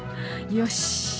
よし！